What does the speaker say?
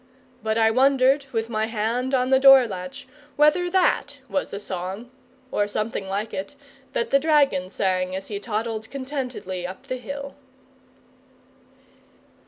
But I wondered, with my hand on the door latch, whether that was the song, or something like it, that the dragon sang as he toddled contentedly up the hill.